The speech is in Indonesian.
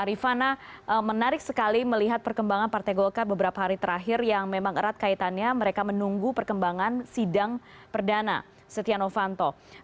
rifana menarik sekali melihat perkembangan partai golkar beberapa hari terakhir yang memang erat kaitannya mereka menunggu perkembangan sidang perdana setia novanto